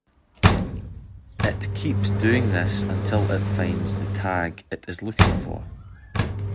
It keeps doing this until it finds the tag it is looking for.